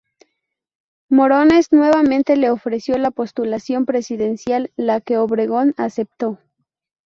Morones, nuevamente, le ofreció la postulación presidencial, la que Obregón aceptó.